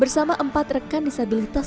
bersama empat rekan disabilitas